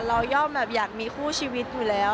ย่อมแบบอยากมีคู่ชีวิตอยู่แล้ว